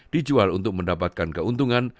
dijual untuk mendapatkan keuntungan